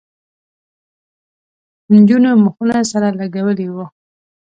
نجونو مخونه سره لگولي وو.